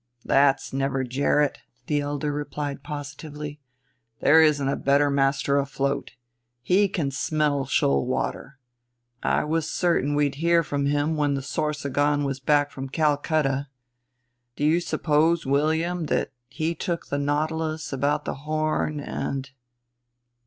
"That's never Gerrit," the elder replied positively. "There isn't a better master afloat. He can smell shoal water. I was certain we'd hear from him when the Sorsogon was back from Calcutta. Do you suppose, William, that he took the Nautilus about the Horn and